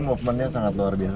movementnya sangat luar biasa